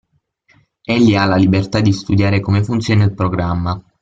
Egli ha la libertà di studiare come funziona il programma.